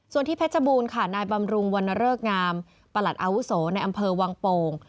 ส่วนที่เพชรบูรณ์ค่ะนายบำรุงวรรณเริกงามประหลัดอาวุโสในอำเภอวังโป่ง